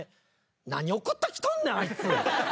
何送ってきとんねん⁉あいつ！